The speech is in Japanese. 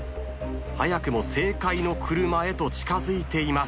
早くも正解の車へと近づいています。